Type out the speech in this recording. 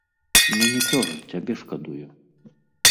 Мне нічога, цябе шкадую.